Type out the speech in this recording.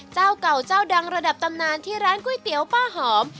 เจ้าเก่าเจ้าดังระดับตำนานที่ร้านก๋วยเตี๋ยวป้าหอม